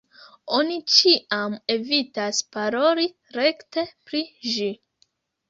Oni ĉiam evitas paroli rekte pri ĝi.